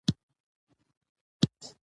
انلاین بانکداري اسانتیاوې لري.